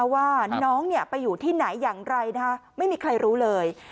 ว่าน้องไปอยู่ที่ไหนอย่างไรไม่มีใครรู้เลย